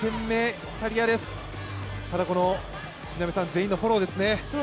全員のフォローですね。